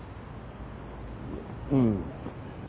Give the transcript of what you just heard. うん。